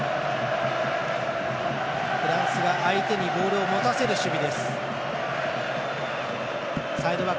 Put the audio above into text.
フランスは相手にボールを持たせる守備です。